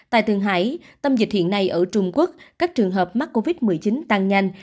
tại thượng hải tâm dịch hiện nay ở trung quốc các trường hợp mắc covid một mươi chín tăng nhanh